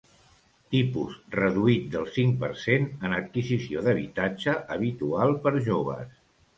Tipus reduït del cinc per cent en adquisició d'habitatge habitual per joves.